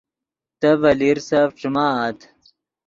تے ڤے لیرسف ݯیمآت